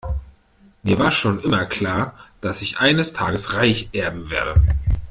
Mir war schon immer klar, dass ich eines Tages reich erben werde.